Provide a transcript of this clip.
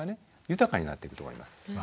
豊かになっていくと思います。